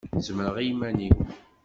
Zemreɣ i iman-iw.